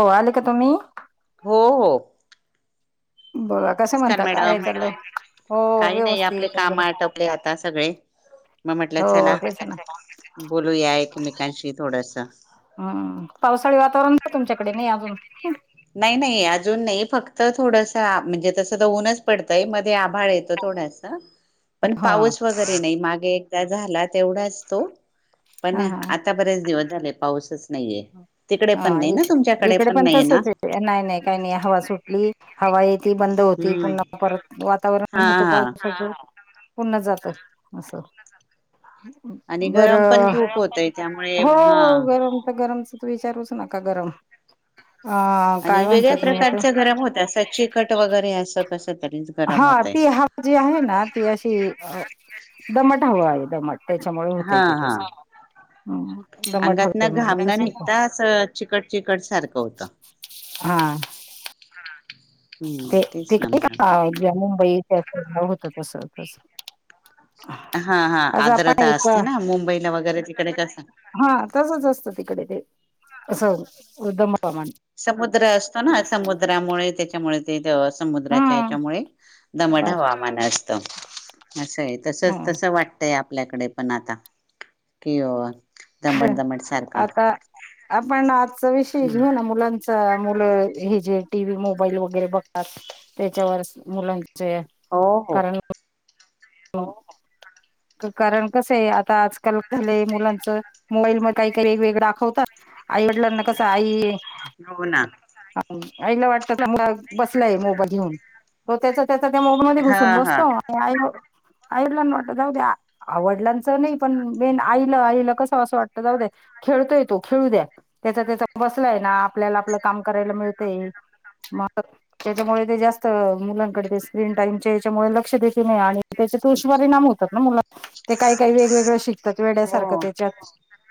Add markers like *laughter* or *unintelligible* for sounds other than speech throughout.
हो आले का तुम्ही? हो. हो. बर कस नमस्कार म्हणता काय मॅडम चाललयं. हो काही नाही व्यवस्थित आपले काम एकदम. आटपले आता सगळे मग म्हटलं हो चला तेच ना बोलूया एकमेकांशी थोडस हम्म. पावसाळी वातावरण *unintelligible* तुमच्याकडे नाही अजून - - नाही नाही अजून नाही फक्त थोडस म्हणजे तस तर ऊनच पडतंय मध्ये आभाळ येत थो - - डस पण ह पाऊस वगैरे नाही मागे एकदा झाला तेवढाच तो पण हा हा आता बरेच दिवस झाले पाऊसच - - नाहीये तिकडे हा पण नाही ना इक तुमच्याकडे इकडे पण नाही ना? तसच आहे नाही, नाही. काही नाही. हवा सुटली हवा येत ती बंद होती. हम्म पुन्हा परत हा वातावरण होत हा पावसाच पण - - पुन्हा जात असं. आणि गरम पण बरं. खूप होतय त्यामुळे हो हा गरम - - गरमच तर विचारूच नका. गरम अ काय आणि वेगळ्या म्हणतात मी आता प्रकारच गरम होत असं चिकट वगैरे असं कसं - - हा ती हा जी आहे ना ती अशी - - दमट हवं आहे दमट त्याच्यामुळे होतय हा ते हा तस. दमट अंगात ना हवेमुळे घामण तस होत निघताच चिकट चिकट सारखं होतं. हा. हा. ते ते काय ज्या मुंबई होत तस तस. हा हा आज आपण आर्द्रता एक असते ना. मुंबईला वगैरे तिकडे कसा - - हा तसच असतं तिकडे ते असं उद्धम - - समुद्र असतो ना. समुद्रामुळे त्याच्यामुळे ते - - समुद्राच्या हा याच्यामुळे दमट बस हवामान असत. असं हाय. तसच ह तसं वाटतय आपल्याकडे पण आता कि ह दमट दमट सारखा आता आपण आजचा विषय घेऊ ना. मुलांचा मुलं - - हे जे टीव्ही मोबाईल वगैरे बघतात त्याच्यावर मुलां च्या हो हो कारण - - हो. कारण कसंयं आता आजकाल झालंय मुलांचं मोबाईल काही काही वेगवेगळे दाखवतात. आई वडलांना कस आई हो ना. आईला वाटतं मला बसलाय मोबाईल घेऊन तो त्याच त्याचा मोबाईल मध्ये हा घुसून हा. बसतो आणि आई आईला वाटत जाऊ द्या. वडलांनाच नाही पण आईला आईल कस असं वाटत जाऊ द्या खेळतोय तो खेळू द्या त्याचा त्याचा बसलाय ना आपल्याला आपलं काम करायला मिळतय. मग त्याच्यामुळे ते जास्त मुलांकडे स्क्रीन टाईमच्या याच्यामुळे लक्ष देखील आणि - - त्याच्यात दुष्परिणाम होतात ना मुला ते काही काही वेगवेगळं शिकतात हो. वेड्यासारखं त्याच्यात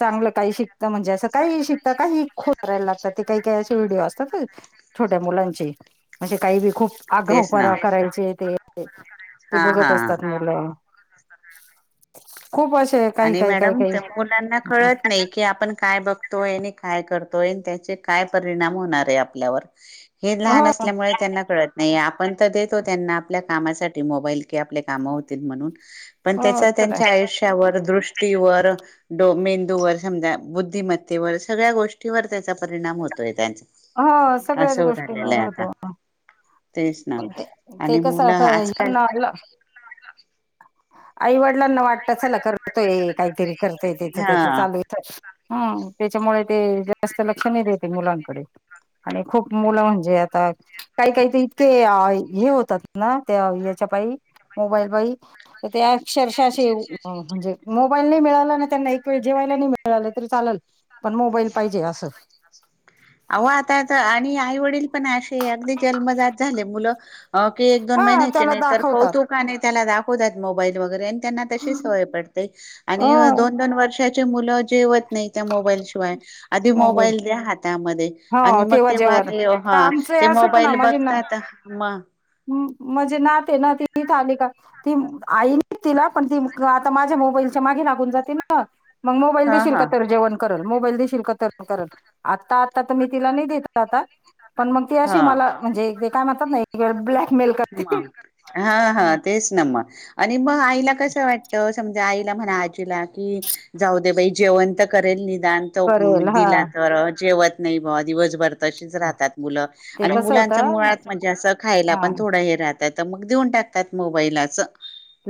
चांगलं काही शिकत म्हणजे असं काही ही शिकत काही खोटंनाटं ते काही काही असे व्हिडिओ असतात ना छोट्या मुलांचे? म्हणजे काही बी खूप तेच ना. आगावूपणा करायचे ते ते हा, हा, बघत हा. *unintelligible* काही आणि काही काही मॅडम काही मुलांना कळत नाही की आपण काय बघतोय आणि काय करतोय. त्याचे काय परिणाम होणार हाय आपल्यावर. हे लहान हो असल्यामुळे त्यांना कळत नाही पण तर देतो त्यांना आपल्या कामासाठी मोबाईल कि आपले कामं होतील म्हणून पण हो त्याचा तर आहे त्यांच्या आयुष्यावर दृष्टीवर ड मेंदूवर समजा बुद्धिमत्तेवर सगळ्या गोष्टीवर त्याचा परिणाम होतोय त्यांचा हा सगळ्याच असं झालेलं गोष्टींवर आहे आता होतो तेच ना पण ते ते आणि कस मुलं आजकाल *unintelligible* आईवडिलांना वाटत चला करतोय काहीतरी करतोय त्याच हा त्याच चालूये तर हम त्याच्यामुळे ते जास्त लक्ष नाही देते मुलांकडे आणि खूप मुलं म्हणजे आता काही काही इतके हे होतात ना त्या याच्या पाई मोबाईल पाई अक्षरशा अशे म्हणजे मोबाईल नाही मिळाला ना त्यांना एक वेळ जेवायला नाही मिळालं तर री चालेल पण मोबाईल पाहिजे असं आवो आता आणि आई वडील पण असे अगदी जन्म *unintelligible* झाले मुलं अ की एक दोन हा महिन्याचे त्याला नाही तर दाखवतात कौतुक नाही त्याला दाखवतात मोबाईल वगैरे त्यांना तशी सवय पडते अ आणि दोन दोन वर्षाची मुल जेवत नाही त्या मोबाईल शिवाय आधी मोबाईल द्या हात त्यामध्ये आणि हो मग तेव्हा ते जेवण *unintelligible* हा ते आमचं असंच मोबाईल ना बघतात मग म्हणजे ना माझी नात ए ना ती इथं आली का ती आई तिला पण ती आता माझ्या मोबाईल मागे लागून जात ना मग मोबाईल हा देशिल का हा मग का जेवण करल मोबाईल देशील का *unintelligible* आत्ता आता तर मी तिला नाही देत आता. पण मग ती अशी हा. मला म्हणजे ते काय म्हणतात ना ब्लॅक ह हा हा तेच ना मग आणि मग आईला कसं वाटत समजा आईला म्हणा आजीला की जाऊ दे बाई जेवण तर करेल दान करेल *unintelligible* हा दिला तर अ जेवत नाही बा दिवसभर तशीच राहतात मुलं ते आणि कसं मुलांच्या होतं मुळात म्हणजे असं खायला हा पण थोडं हे राहत नाय तर मग देऊन टाकतात मोबाईल अस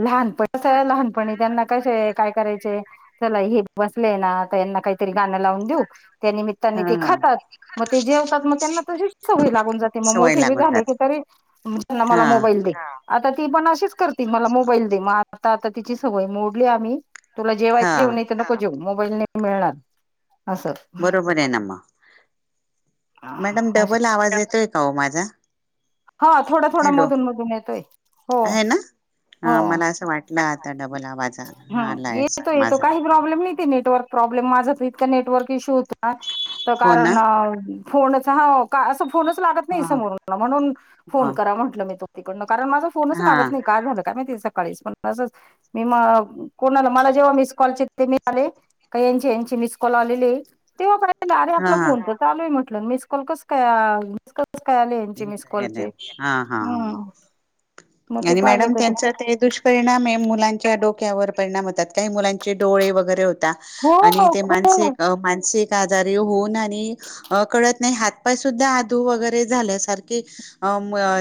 लहानपण कसं लहानपणी त्यांना कसे काय करायचे चला हे बसले ना तर यांना काहीतरी गाणं लावून देऊ त्या निमित्ताने हा ते हा. खातात मग ते जेवतात मग त्यांना तशी सवयी लागून जाते मग सवय मोठे भी लागून झाले की जाते तरी *unintelligible* हा मला मोबाईल दे आता ती पण अशीच करती मला मोबाईल दे मग आता आता तिची सवय मोडली आम्ही. तुला जेवाय हा जेव नाही तर नको जेऊ मोबाईल नाही मिळणार असं बरोबर आहे ना मग मॅडम डबल आवाज येतोय का हो माझा हा थोडा थोडा हॅलो मधून मधून येतोय हो आहे ना हो हा मला असं वाटलं आता डबल आवाज हा आलाय असा येतो येतो माझा काही प्रॉब्लेम नाही नेटवर्क प्रॉब्लेम माझा इतक नेटवर्क इश्यू होत ना तर हो ना कारण अ फोनच हा का असं फोनच लागत नाही हा समोर म्हणून फोन हा हा करा म्हटलं मी तो तिकडन कारण माझा फोनच लागत हा नाही काय झालं का माहिती मी मला जेव्हा मिस चेक केले आ तेव्हा अरे आपला हा फोन तर चालू आहे म्हटलं मिस कॉल कस काय मिस कस काय आले यांची मिस कलचे हा हा हम् आणि मॅडम त्यांचा ते दुष्परिणाम आहे मुलांच्या डोक्यावर परिणाम होतात काही मुलांचे डोळे वगैरे होता हो आणि ते मान खूप मानसिक आणि हो कळत नाही हात पाय सुधा अधू वगरे झालेत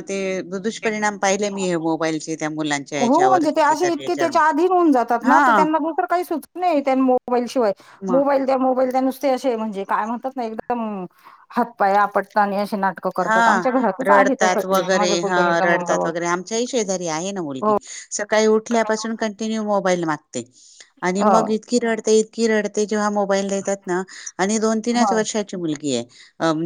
ते दुष्परिणाम पाहिले मी हे मोबाईलचे त्या मुलांच्या हो याच्यावर म्हणजे ते अे कितीतरी इतके याच्यावर त्याच्या आधी होऊन जातात ना हा तर त्यांना दुसरं काही सुच मोबाईलशिवाय म मोबाईल द्या मोबाईल द्या नुसते असे म्हणजे काय म्हणतात ना एकदम हातपाय आपटत आणि नाटकं हा करतात आमच्या घरातच आहे रडतात तसं एक वगैरे माझ्या ह पुतणीचा मुलगा रडतात बघ वगैरे आमच्याही शेजारी आहे ना हो सकाळी उठल्या पासून कॉन्टिन्यू मोबाईल मागते हो रडते जेव्हा मोबाईल देतात ना आणि दोन तीनच हो वर्षाची मुलगी आहे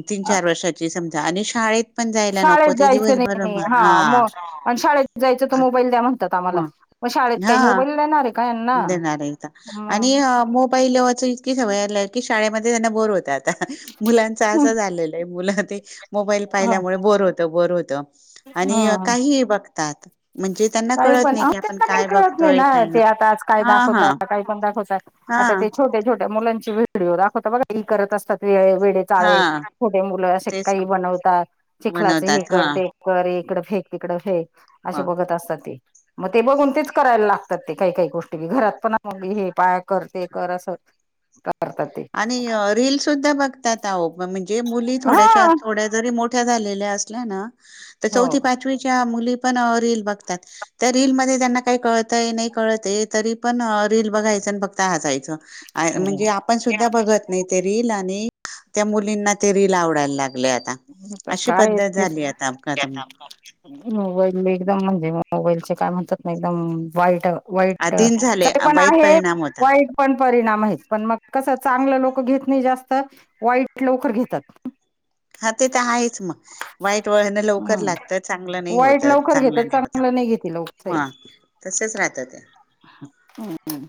तीन अ, चार वर्षाची समजा आणि शाळेत पण जायला नको शाळेत ते जायचं नाही दिवसभर म- नाही हा म शाळेत जायचं त मोबाईल द्या म्हणतात आम्हाला मग शाळेत काही हा मोबाईल ला येणार आहे का यांना देणार इथ आणि हम्म मोबाईलवरच इतकी सवय आ की शाळेमध्ये त्यांना बोर होत आ मुलांच असं झालेलं आहे मुलं ते मोबाईल पाहिल्यामुळे बोर होतं बोर होतं आणि काही बघतात म्हणजे त्यांना काय कळत पण नाही की आपण त्यांना काही काय कळत नाही बघतोय ना काय नाही ज काय हा दाखवत हा का पण दावतात हा आता ते छोटे छोटे मुलांचे व्हिडिओ दाखवत बघाई करत असतात व वेडे हा चाळे छोटे मुलं असे तेच काही बनवत चिखलाच हे बनवतात हा कर ते कर इकड फेक इकडे तिकडे फेक असे ह बघत असत ते मग ते बघून तेच करायला लागतात ते काही काही गोष्टी घरात पण मग हे पाय कर ते कर असं *inaudible* आणि रील सुुद्धा बघतात आवो म्हणजे मुली हा थोड्याश थोड्या जरी मो असल्या ना हो चौथी पाचवी च्या मुली रील बघतात त्या रील मध्ये त्यांना काही कळत नाही कळत तरी पण रील बघाय फक्त हसायच म्हणजे आपण सुद्धा बघत नाही ते रील आणि त्या मुलींना रील आवडाला लाग कायेत आता अपघात मल् एकदम म्हणजे मोबाईलचे काय म्हणतात ना एकदम वाईट आधीन झाले वाईट अ, पण वाईट आहे परिणाम होता वाईट पण परिणाम आहेत पण मग कस चांगलं लवकर घेत नाही जास्त वाईट लवकर घेतात हा ते तर आहेच मग वाईट वळण लवकर ह लागत चांगलं नाही वाईट होत लवकर चांगलं घेतात नाही होत घेते लवकर हा तसच राहतं ते हम्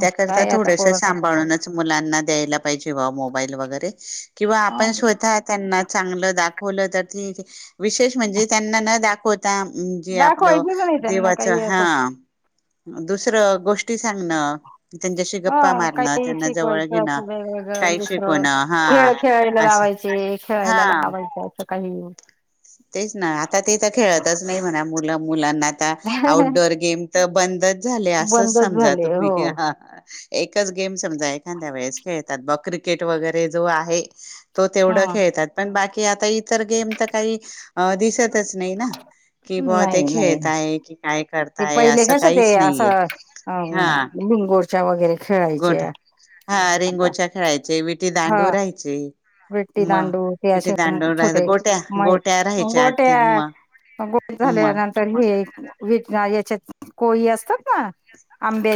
त्याकरता थोडस सांभाळूनच मुलांना द्यायला पाहिजे मोबाईल वगैरे किंवा आपण स्वतः त्यांना चांगलं दाख दाखवता विशेष म्हणजे त्यांना न दाखवता त्या म्हणजे आपलं दाखवायचंच नाही त्यांना देवाचं काही हा असं दुसरं गोष्टी सांगणं त्यांच्याशी ह गप्पा मारणं काही त्यांना जवळ शिकवायचं घेणं असं वेगवेगळं काही दुसरं शिकवणं हा खेळ खेळाला असं लावायचं खेळायला हा लावायचं असं काही तेच ना आता ते तर खेळतच नाही म्हणा मुलं मुलांना आता आउटडोअर गेम तर बंदच झाले असंच बंदच समजा झाले तुम्ही हो ह एकच गेम समजा एखाद्या वेळेस खेळतात ब क्रिकेट वगैरे जो आहे तो तेवढं ह खेळतात, पण बाकी आता इतर गेम तर काही दिसतच नाही ना. की बुआ नाही ते नाही खेळता आहे कि काय ते करताय पहिले असं कसं काहीच ते असं नाहीय. अ हा बिंगोरच्या वगैरे खेळायचे गुड हा आता रिंगोच्या खेळायचे, विटी दांडू हा राहायचे. विट्टी मग दांडू, ते विटी असे दांडू राहायच छोटे गोट्या मय गोट्या राहायच्या गोट्या, म गोट्या म झाल्यानंतर हे विटना, याच्यात कोळी असतात ना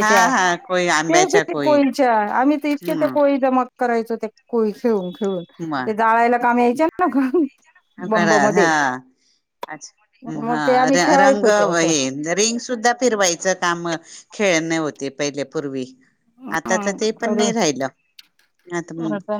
हा हा कोळी तेच आंब्याच्या कोळी कोळीच्या, आम्ही तर इतके ते हम्म. कोळी जमा करायचं ते कोळी खेळून खेळून, ते जाळायला काम यायचे नव्ह का. खरा हा. अच्छा, मग ते हा आम्ही रंग खेळायचो ते असं हे रिंग सुद्धा फिरवायचं काम खेळणे होते पहिले पूर्वी, आता तर ते हम्म पण अरे नाही राहिलं.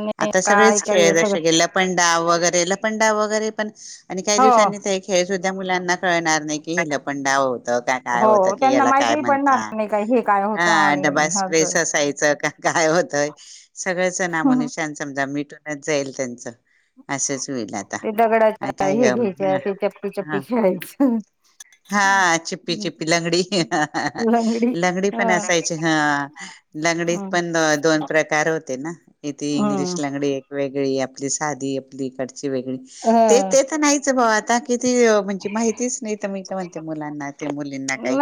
नाही आता ऊ काय सगळेच काय हे खेळ जसे कि सगळं लपंडाव वगैरे लपं डाव वगैरे पण आणि काही हो दिवसांनी ते खेळ सुद्धा मुलांना कळणार नाही की हे लपंडाव होत, का काय हो होत, की त्यांना याला काय माहिती पडणार म्हणता? नाही काय हे काय होतं आ आणि डबा स्प्रेस असं असायचं का काय होतं, सगळेचं नामोनिशान समजा मिटून जाईल त्यांच, असंच हुईल आ ते दगडाच्या हे घ्यायच्या, ते चप्पी चप्पी हा खेळायच हा चिप्पी चिप्पी, लंगडी, लंगडी पण असायची हा. लंगडीत पण दोन प्रकार होते ना, इथे इंग्लिश हम्म लंगडी एक वेग आपली साधी, आपली ईकडची वेगळी, ह ते तर नाहीच भाऊ. आता कि ती म्हणजे माहितीच नाही तर मी तर म्हणते मुलांना, त्या मुलींना काही,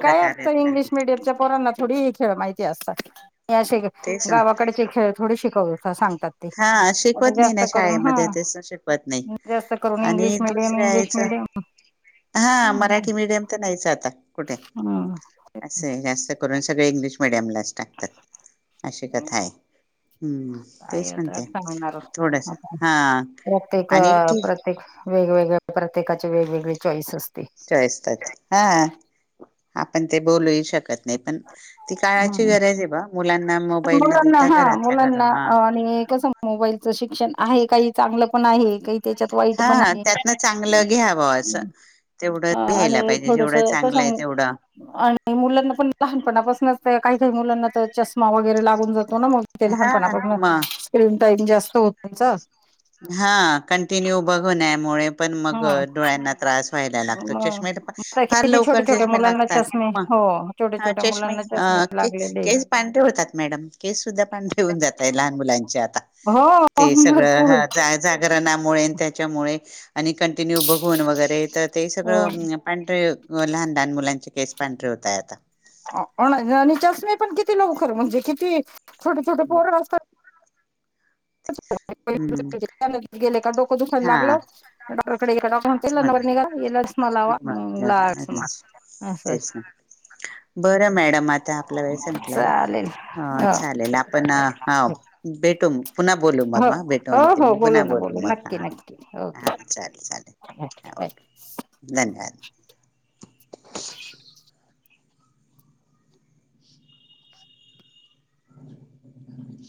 प्रकार ह्यातला. खेड्याच्या पोरांना थोडी ही खेळ माहिती ते असतात, हे असे तेच ना गावाकडचे खेळ, थोडी शिकव, सांगतात. हा आता शिकवत नाही जास्त ना करून हा, शाळेमध्ये ते शिकवत नाही जास्त करून इंग्लिश आणि मिडियम, दुसऱ्या इंग्लिश याच मिडियम हा, हम्म मराठी मिडियम तर नाहीच आता. कुठे. हम्म. असं जास्त करून सगळे इंग्लिश मिडियमला चं टाकतात, अशी कथा आहे. काय म्हणते सांगणार थोडस आपणं, हा प्रत्येक आणि अ ठी प्रत्येक वेगवेगळ प्र प्रत्येकाचे वेगळे वेगळे चॉईस अस असतात. हा आपण ते बोलू ही शकत नाही पण, ती काळाची हम्म गरज आहे बुआ, मुलांना पण मोबाईल न देता घरातल्या घरा हा कस मोबाईलचं शिक्षण आहे, काही चांगलं पण आहे. काही त्याच्यात वाईट पण हा आहे. त्यातनं चांगलं घ्यावं असं तेवढं ह घ्यायला आणि पाहिजे थोडस जेवढं कस, चांगलं आहे तेवढं आणि मुलांना पण लहानपण लहानापासनच काही काही मुलांना तर चष्मा वगैरे लागून जात हो ना मग ते हा लहानपणापासणं म स्क्रीन टाइम जास्त होत त्यांचं. हा कंटिन्यू बघण्यामुळे पण मग हा डोळ्यांना त्रास व्हायला लागतो चष्मेला प मग फार किती लवकर छोट्या छोट्या चष्मे मुलांना लागतात चष्मे मग हो छोट्या हा छोट्या चष्मे मुलांना अ लागलेले केस पांढरे होतात मॅडम, केस सुद्धा पांढरे होऊन जाता लहान मुलांचे आता, हो ते सगळं भरपूर जा जागरणामुळे न त्याच्यामुळे आणि कंटिन्यू बघून वगैरे तर ते हो. सगळं पां लहान लहान मुलांचे केस पांढरे होतायं आता. ओ ना, आणि चष्मे पण किती लवकर, म्हणजे किती छोटे छोटे पोरांना *inaudible* हम्म डोकं दुखायला लागल हा *unintelligible* मला वा लाच असं. तेच ना बरं मॅडम आता आपला वेळ संपलाय, चालेल अ हो चालेल आपण अ हो भेटू मग. पुन्हा बोलू हो हा भेटू हो म्हणते हो मी बोलू पुन्हा ना, बोलू मग नक्की हा नक्की हा ओके चालेल चालेल हा बाय. ओके धन्यवाद.